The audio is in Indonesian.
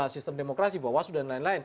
sistem demokrasi bahwa sudah lain lain